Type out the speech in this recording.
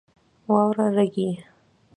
واوره رېږي.